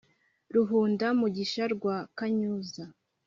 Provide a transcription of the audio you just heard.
rwihunda-mugisha rwa kanyuza